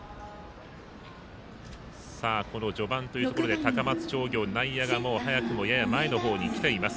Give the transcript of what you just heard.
この序盤というところで高松商業内野が早くもやや前の方に来ています。